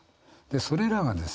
それらがですね